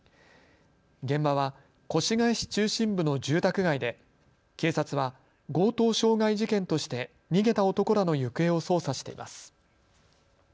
現場は越谷市中心部の住宅街で警察は強盗傷害事件として逃げた男らの行方を捜査しています。